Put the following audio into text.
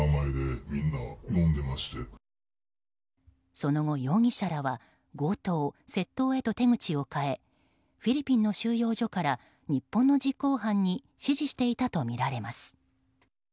その後、容疑者らは強盗、窃盗へと手口を変えフィリピンの収容所から日本の実行犯に指示していたとみられます。